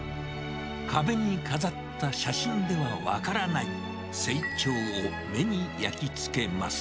壁に飾った写真では分からない成長を目に焼きつけます。